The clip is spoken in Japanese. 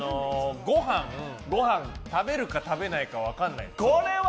ごはん食べるか食べないか分からない。